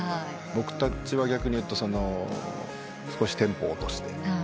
僕たちは逆にいうと少しテンポを落として。